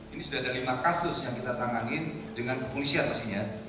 ini sudah ada lima kasus yang kita tanganin dengan kepolisian pastinya